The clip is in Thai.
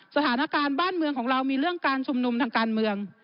สถานการณ์บ้านเมืองของเรามีเรื่องการชุมนุมทางการเมือง